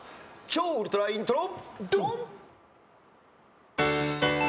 超ウルトライントロ。